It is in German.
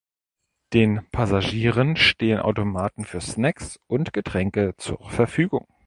Den Passagieren stehen Automaten für Snacks und Getränke zur Verfügung.